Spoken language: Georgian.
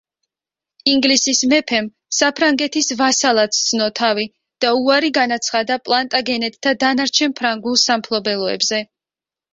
ინგლისის მეფემ საფრანგეთის ვასალად სცნო თავი და უარი განაცხადა პლანტაგენეტთა დანარჩენ ფრანგულ სამფლობელოებზე.